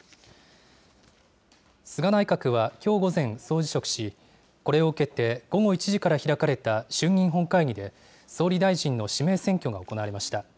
菅内閣はきょう午前、総辞職し、これを受けて、午後１時から開かれた衆議院本会議で、総理大臣の指名選挙が行われました。